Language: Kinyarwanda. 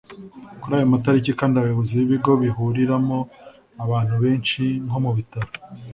Kuri ayo matariki kandi abayobozi b’ibigo bihuriramo abantu benshi nko mu Bitaro